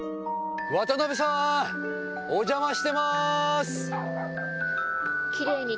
渡辺さんお邪魔してます。